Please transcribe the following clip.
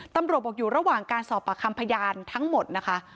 ตำรวจบอกอยู่ระหว่างการสอบปากคำพยานทั้งหมดนะคะ